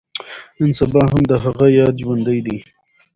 نن سبا هم د هغه ياد ژوندی دی.